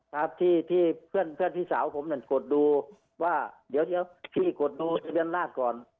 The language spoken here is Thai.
ครับที่ที่เพื่อนพี่สาวผมกดดูว่าเดี๋ยวพี่กดดูเดือนหน้าก่อน